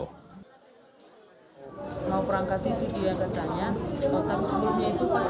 hari minggu kejadian itu kan harusnya